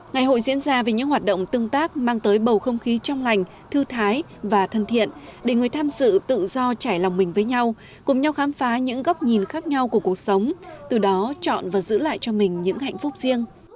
ngày hội diễn ra vì những hoạt động tương tác mang tới bầu không khí trong lành thư thái và thân thiện để người tham sự tự do trải lòng mình với nhau cùng nhau khám phá những góc nhìn khác nhau của cuộc sống từ đó chọn và giữ lại cho mình những hạnh phúc riêng